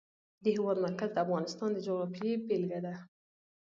د هېواد مرکز د افغانستان د جغرافیې بېلګه ده.